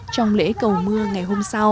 trong lễ cầu mưa ngày hôm sau